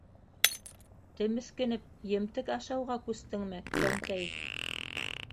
Темеҫкенеп емтек ашауға күстеңме, кәнтәй?